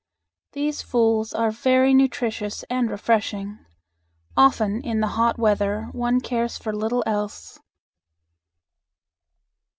These "fools" are very nutritious and refreshing. Often in the hot weather one cares for little else.